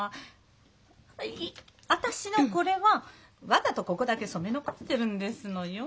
いい私のこれはわざとここだけ染め残してるんですのよ。